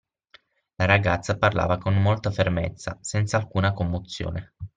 La ragazza parlava con molta fermezza, senza alcuna commozione.